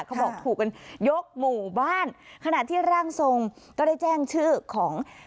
ถูกกันยกหมู่บ้านขณะที่ร่างทรงก็ได้แจ้งชื่อของ